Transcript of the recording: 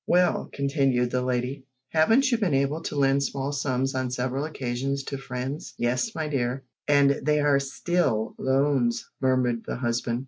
"Well," continued the lady, "haven't you been able to lend small sums on several occasions to friends " "Yes, my dear, and they are still loans," murmured the husband.